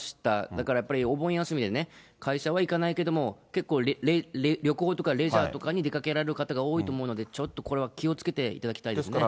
だからやっぱりお盆休みでね、会社は行かないけれども、結構旅行とかレジャーとかに出かけられる方が多いと思うので、ちょっとこれは気をつけていただきたいですね。